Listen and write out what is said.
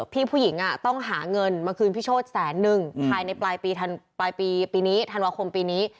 พี่ผู้หญิงต้องหาเงินมาคืนพี่โชธแสนนึงภายในปลายปีนี้ธันวาคมปีนี้